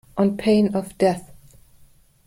On pain of death.